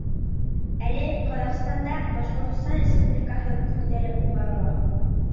— Әле Ҡаҙағстанда Башҡортостан Республикаһы көндәре уҙғарыла.